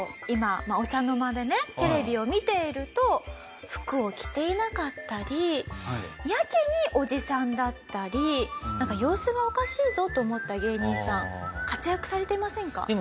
今お茶の間でねテレビを見ていると服を着ていなかったりやけにおじさんだったりなんか様子がおかしいぞと思った芸人さん活躍されていませんか？